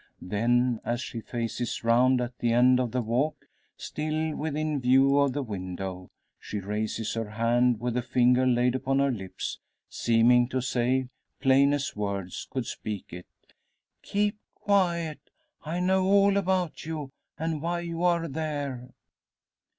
Then as she faces round at the end of the walk, still within view of the window, she raises her hand, with a finger laid upon her lips, seeming to say, plain as words could speak it "Keep quiet! I know all about you, and why you are there."